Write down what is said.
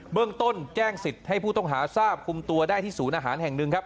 เรื่องต้นแจ้งสิทธิ์ให้ผู้ต้องหาทราบคุมตัวได้ที่ศูนย์อาหารแห่งหนึ่งครับ